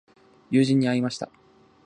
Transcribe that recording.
友人に会いました。